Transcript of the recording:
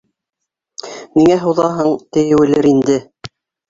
Ниңә һуҙаһың, тиеүелер инде